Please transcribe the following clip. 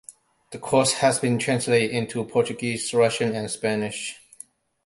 The course has been translated into Portuguese, Russian and Spanish.